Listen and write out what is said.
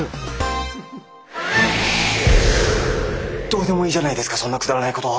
どうでもいいじゃないですかそんなくだらないこと。